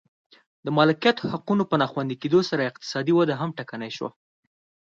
د مالکیت حقونو په ناخوندي کېدو سره اقتصادي وده ټکنۍ شوه.